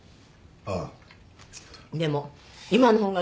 ああ！